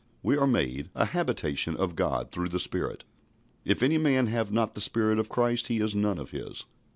We are made "an habitation of God through the Spirit." "If any man have not the Spirit of Christ, he is none of his."